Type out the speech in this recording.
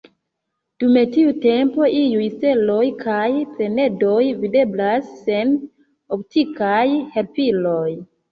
Dum tiu tempo iuj steloj kaj planedoj videblas sen optikaj helpiloj.